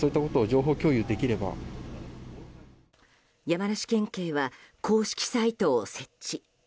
山梨県警は公式サイトを設置。